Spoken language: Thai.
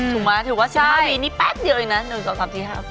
ถูกไหมถือว่า๑๕ปีนี่แป๊บเดียวเองนะ๑๒๓๔๕๖